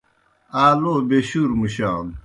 آ لو بیشُور مُشانوْ۔